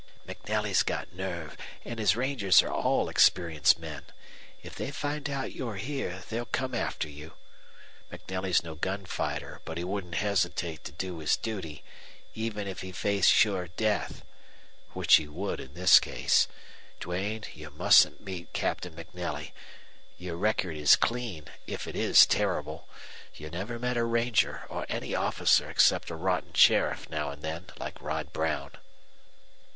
"MacNelly's got nerve, and his rangers are all experienced men. If they find out you're here they'll come after you. MacNelly's no gun fighter, but he wouldn't hesitate to do his duty, even if he faced sure death. Which he would in this case. Duane, you mustn't meet Captain MacNelly. Your record is clean, if it is terrible. You never met a ranger or any officer except a rotten sheriff now and then, like Rod Brown."